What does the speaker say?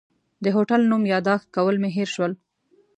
د هوټل نوم یاداښت کول مې هېر شول.